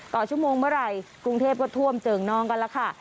ต่อชั่วโมงเมื่อไหร่กรุงเทพก็ท่วมเจิ่งนองกันแล้วค่ะ